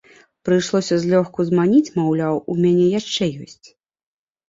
Прыйшлося злёгку зманіць, маўляў, у мяне яшчэ ёсць.